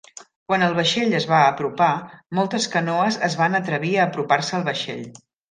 Quan el vaixell es va apropar, moltes canoes es van atrevir a apropar-se al vaixell.